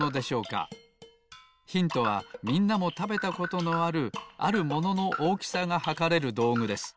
ヒントはみんなもたべたことのあるあるもののおおきさがはかれるどうぐです。